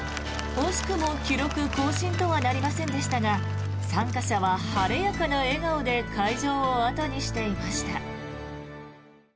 惜しくも記録更新とはなりませんでしたが参加者は晴れやかな笑顔で会場を後にしていました。